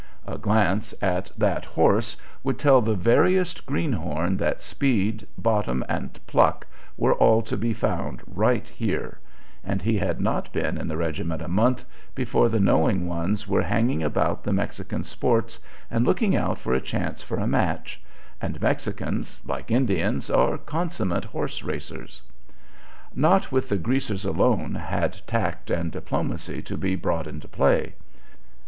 A glance at that horse would tell the veriest greenhorn that speed, bottom, and pluck were all to be found right there; and he had not been in the regiment a month before the knowing ones were hanging about the Mexican sports and looking out for a chance for a match; and Mexicans, like Indians, are consummate horse racers. Not with the "greasers" alone had tact and diplomacy to be brought into play.